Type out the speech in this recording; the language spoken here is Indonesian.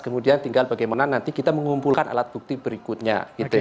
kemudian tinggal bagaimana nanti kita mengumpulkan alat bukti berikutnya